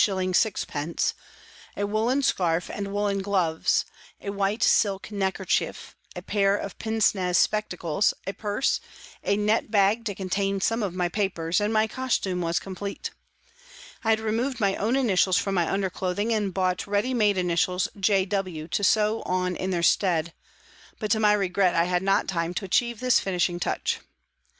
6d!., a woollen scarf and woollen gloves, a white silk neck kerchief, a pair of pince nez spectacles, a purse, a net bag to contain some of my papers, and my costume was complete. I had removed my own initials from my undercloth ing, and bought the ready made initials " J. W." to sew on in their stead, but to my regret I had not time to achieve this finishing touch.